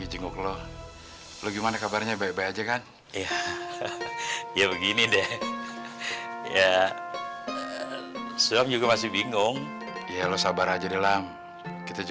jelek nasib lo tau